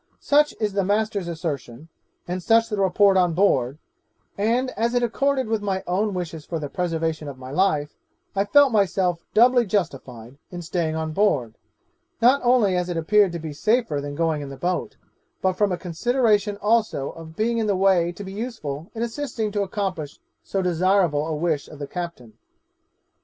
Such is the master's assertion, and such the report on board, and as it accorded with my own wishes for the preservation of my life, I felt myself doubly justified in staying on board, not only as it appeared to be safer than going in the boat, but from a consideration also of being in the way to be useful in assisting to accomplish so desirable a wish of the captain.